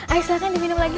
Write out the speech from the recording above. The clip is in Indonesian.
ais silahkan diminum lagi